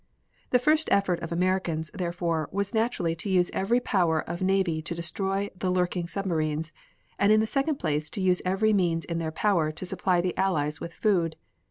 The first effort of Americans, therefore, was naturally to use every power of the navy to destroy the lurking submarines, and in the second place to use every means in their power to supply the Allies with food.